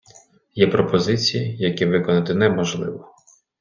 Є пропозиції, які виконати неможливо.